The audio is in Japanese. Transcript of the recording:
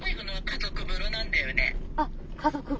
あっ家族風呂。